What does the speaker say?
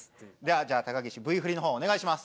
じゃあ高岸Ｖ振りのほうお願いします。